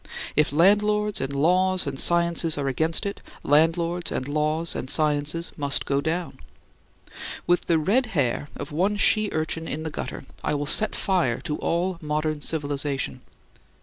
If landlords and laws and sciences are against it, landlords and laws and sciences must go down. With the red hair of one she urchin in the gutter I will set fire to all modern civilization.